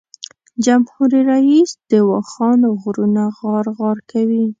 جمهور رییس د واخان غرونه غار غار کوي.